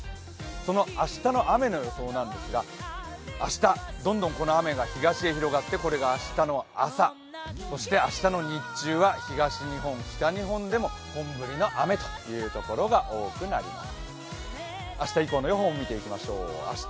その明日の雨の予想ですが、明日、どんどん雨が東へ広がって、これが明日の朝、明日の日中は東日本、北日本でも本降りの雨というところが多くなります。